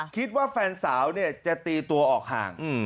คิดว่าแฟนสาวจะตีตัวออกห่าง